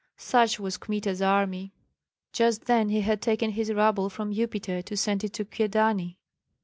Such was Kmita's army. Just then he had taken his rabble from Upita to send it to Kyedani.